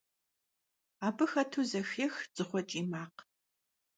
Abı xetu zexêx dzığue ç'iy makh.